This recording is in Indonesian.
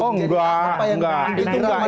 oh enggak enggak